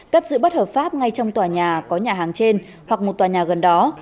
cất giữ bất hợp pháp ngay trong tòa nhà có nhà hàng trên hoặc một tòa nhà gần đó